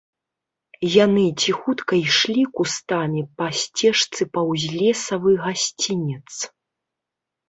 Яны ціхутка ішлі кустамі па сцежцы паўз лесавы гасцінец.